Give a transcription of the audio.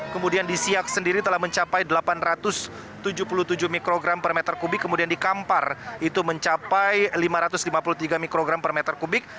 kemudian di siak sendiri telah mencapai delapan ratus tujuh puluh tujuh mikrogram per meter kubik kemudian di kampar itu mencapai lima ratus lima puluh tiga mikrogram per meter kubik